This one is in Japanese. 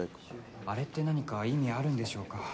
あれって何か意味あるんでしょうか